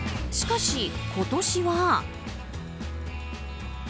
しかし、今年は。